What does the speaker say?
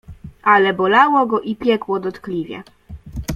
"Ale bolało go i piekło dotkliwie."